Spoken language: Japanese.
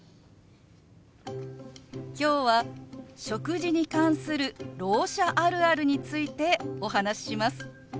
今日は食事に関するろう者あるあるについてお話しします。